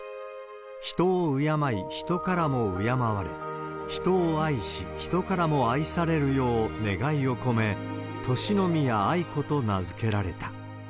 人を敬い、人からも敬われ、人を愛し、人からも愛されるよう願いを込め、敬宮愛子と名付けられた。